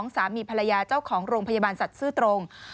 สามีภรรยาเจ้าของโรงพยาบาลสัตว์ซื้อตรง